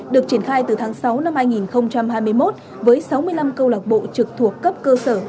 được triển khai từ tháng sáu năm hai nghìn hai mươi một với sáu mươi năm câu lạc bộ trực thuộc cấp cơ sở